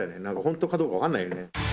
本当かどうかわかんないよね。